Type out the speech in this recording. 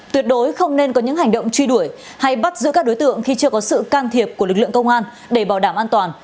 tuyệt đối không nên có những hành động truy đuổi hay bắt giữ các đối tượng khi chưa có sự can thiệp của lực lượng công an để bảo đảm an toàn